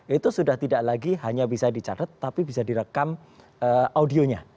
itu sudah tidak lagi hanya bisa dicatat tapi bisa direkam audionya